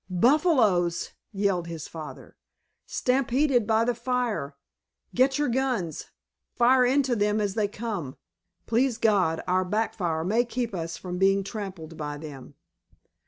"Buffaloes!" yelled his father. "Stampeded by the fire! Get your guns—fire into them as they come—please God our back fire may keep us from being trampled by them!"